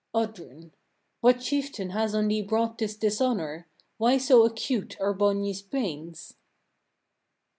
Oddrun. 6. What chieftain has on thee brought this dishonour? Why so acute are Borgny's pains?